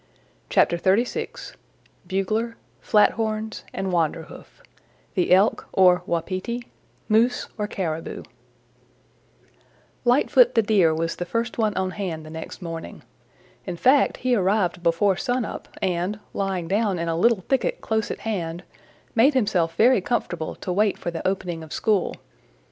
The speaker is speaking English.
CHAPTER XXXVI Bugler, Flathorns and Wanderhoof Lightfoot the Deer was the first one on hand the next morning. In fact, he arrived before sun up and, lying down in a little thicket close at hand, made himself very comfortable to wait for the opening of school.